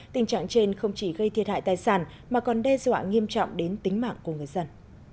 tình trạng trên không chỉ gây thiệt hại tài sản mà còn đe dọa nghiêm trọng đến tính mạng của người dân